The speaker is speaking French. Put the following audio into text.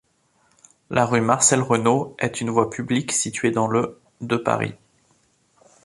La rue Marcel-Renault est une voie publique située dans le de Paris.